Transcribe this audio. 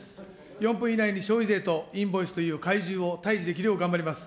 ４分以内に消費税とインボイスという怪獣を退治できるよう頑張ります。